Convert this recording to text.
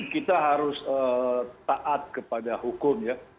kita harus taat kepada hukum ya